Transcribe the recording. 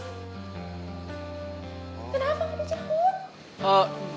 kenapa gak dijemput